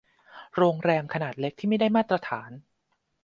โรงแรมขนาดเล็กที่ไม่ได้มาตรฐาน